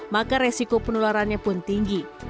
maka resiko penularannya pun tinggi